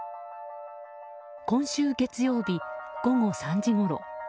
今週月曜日、午後３時ごろ。